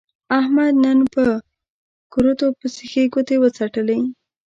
احمد نن په کورتو پسې ښې ګوتې و څټلې.